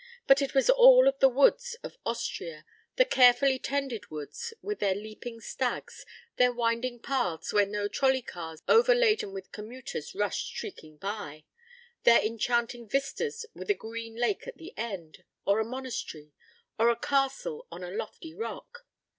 But it was all of the woods of Austria, the carefully tended woods with their leaping stags, their winding paths where no trolley cars over laden with commuters rushed shrieking by, their enchanting vistas with a green lake at the end, or a monastery, or a castle on a lofty rock.